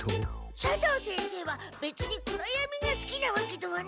「斜堂先生はべつに暗やみがすきなわけではない。